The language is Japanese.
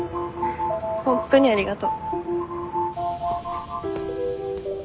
本当にありがと。